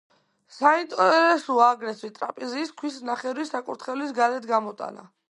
საინტერესოა აგრეთვე ტრაპეზის ქვის ნახევრის საკურთხევლის გარეთ გამოტანა.